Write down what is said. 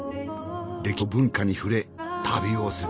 歴史と文化に触れ旅をする。